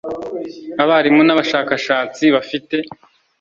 Abarimu n Abashakashatsi bafite